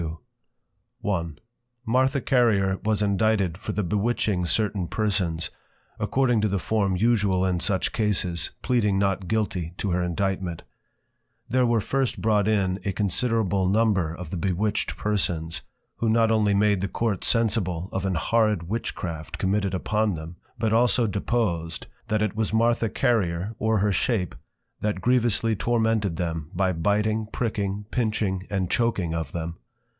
Martha Carrier was Indicted for the bewitching certain Persons, according to the Form usual in such Cases, pleading Not Guilty, to her Indictment; there were first brought in a considerable number of the bewitched Persons; who not only made the Court sensible of an horrid Witchcraft committed upon them, but also deposed, That it was Martha Carrier, or her Shape, that grievously tormented them, by Biting, Pricking, Pinching and Choaking of them.